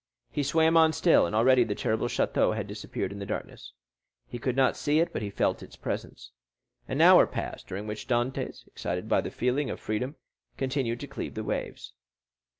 He swam on still, and already the terrible château had disappeared in the darkness. He could not see it, but he felt its presence. An hour passed, during which Dantès, excited by the feeling of freedom, continued to cleave the waves.